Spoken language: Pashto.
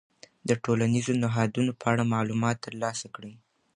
د ټولنیزو نهادونو په اړه معلومات ترلاسه کړئ.